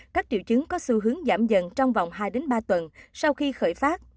các triệu chứng có xu hướng giảm dần trong vòng hai ba tuần sau khi khởi phát